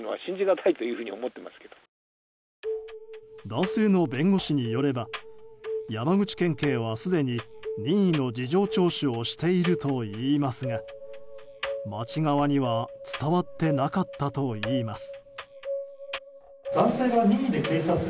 男性の弁護士によれば山口県警はすでに任意の事情聴取をしているといいますが町側には伝わってなかったといいます。